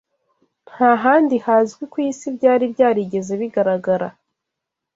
nta handi hazwi ku isi byari byarigeze bigaragara”